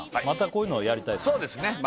またこういうのはやりたいですね